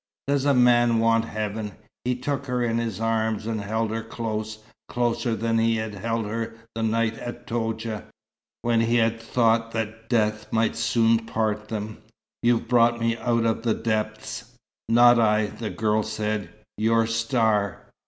"Does a man want Heaven!" He took her in his arms and held her close, closer than he had held her the night at Toudja, when he had thought that death might soon part them. "You've brought me up out of the depths." "Not I," the girl said. "Your star."